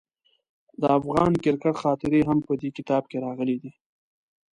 د افغان کرکټ خاطرې هم په دې کتاب کې راغلي دي.